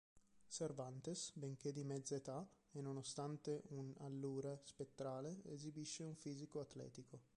Cervantes, benché di mezza età e nonostante un"'allure" spettrale, esibisce un fisico atletico.